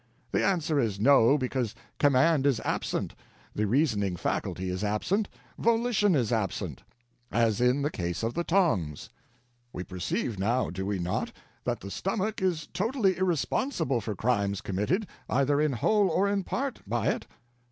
The answer is no, because command is absent, the reasoning faculty is absent, volition is absent—as in the case of the tongs. We perceive now, do we not, that the stomach is totally irresponsible for crimes committed, either in whole or in part, by it?"